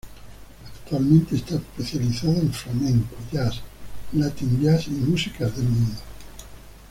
Actualmente está especializado en flamenco, jazz, latin jazz y músicas del mundo.